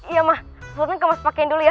iya mah sultan kemas pakein dulu ya